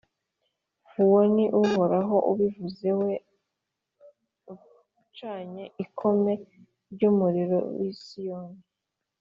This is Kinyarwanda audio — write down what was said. Uwo ni Uhoraho ubivuze, we ucanye ikome ry’umuriro i Siyoni,